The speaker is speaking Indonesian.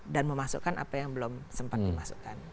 dan memasukkan apa yang belum sempat dimasukkan